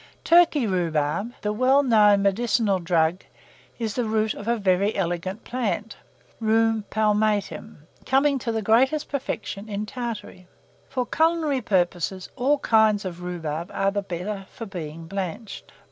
Turkey rhubarb, the well known medicinal drug, is the root of a very elegant plant (Rheum palmatum), coming to greatest perfection in Tartary. For culinary purposes, all kinds of rhubarb are the better for being blanched.